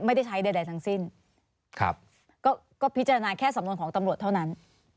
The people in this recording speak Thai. ไม่ได้ใช้ใดทั้งสิ้นครับก็พิจารณาแค่สำนวนของตำรวจเท่านั้น